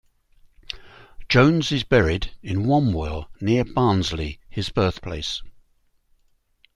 Jones is buried in Wombwell near Barnsley, his birthplace.